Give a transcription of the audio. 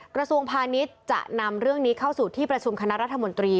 กระทรวงพาณิชย์จะนำเรื่องนี้เข้าสู่ที่ประชุมคณะรัฐมนตรี